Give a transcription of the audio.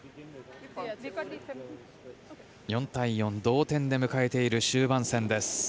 ４対４、同点で迎えている終盤戦です。